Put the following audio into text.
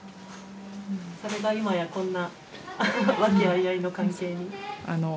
それが今やこんな和気あいあいの関係に。